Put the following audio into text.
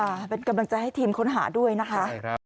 ค่ะเป็นกำลังใจให้ทีมค้นหาด้วยนะคะ